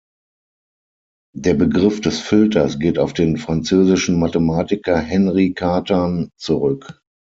Der Begriff des Filters geht auf den französischen Mathematiker Henri Cartan zurück.